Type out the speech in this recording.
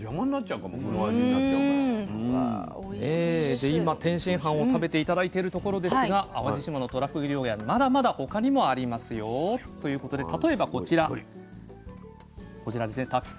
で今天津飯を食べて頂いてるところですが淡路島のとらふぐ料理はまだまだ他にもありますよ。ということで例えばこちら炊き込みごはんですね。